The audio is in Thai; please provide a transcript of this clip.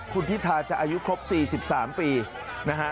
คุณพิธาจะอายุครบ๔๓ปีนะฮะ